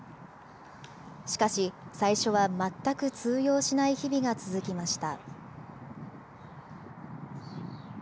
しかし、最初は全く通用しない日々が続きました。